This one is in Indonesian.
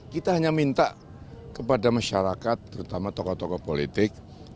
kita hanya minta kepada masyarakat terutama tokoh tokoh politik